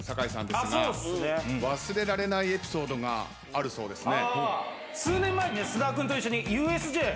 忘れられないエピソードがあるそうですね。